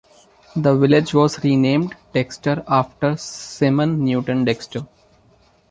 The village was renamed "Dexter" after Simon Newton Dexter.